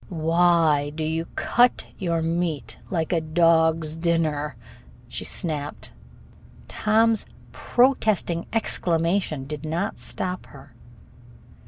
"Why do you cut your meat like a dog's dinner?" she snapped. Tom's protesting exclamation did not stop her.